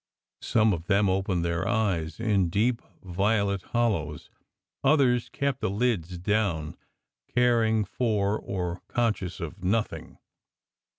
Some of them opened their eyes, in deep violet hollows; others kept the lids down, caring for or con scious of nothing.